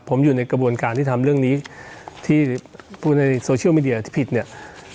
ผมอยู่ในกระบวนการที่ทำเรื่องนี้ที่พูดในโซเชียลมีเดียที่ผิดเนี่ย